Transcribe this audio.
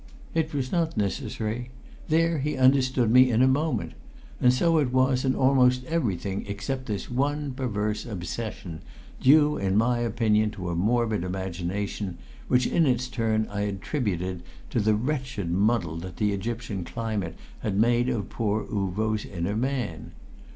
It was not necessary; there he understood me in a moment; and so it was in almost everything except this one perverse obsession, due in my opinion to a morbid imagination, which in its turn I attributed to the wretched muddle that the Egyptian climate had made of poor Uvo's inner man.